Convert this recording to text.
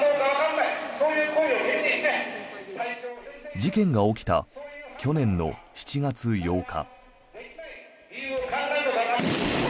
事件が起きた去年の７月８日。